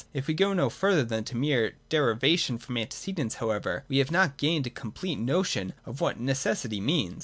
If we go no further than mere deri vation from antecedents however, we have not gained a complete notion of what necessity means.